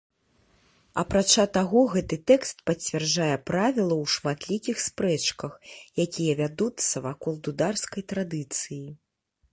Апрача таго, гэты тэкст пацвярджае правіла ў шматлікіх спрэчках, якія вядуцца вакол дударскай традыцыі.